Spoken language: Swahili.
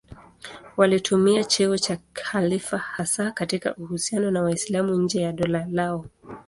Walitumia cheo cha khalifa hasa katika uhusiano na Waislamu nje ya dola lao.